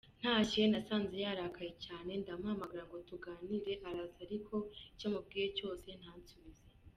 Ntashye nasanze yarakaye cyane, ndamuhamagara ngo tuganire araza ariko icyo mubwiye cyose ntansubize.